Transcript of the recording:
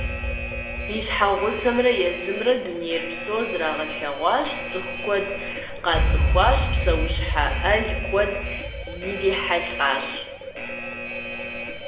И щхьэгъусэмрэ езымрэ дуней псор зрагъэлъэгъуащ, цӏыху куэд къацӏыхуащ, псэущхьэ ӏэл куэд ирихьэлӏащ.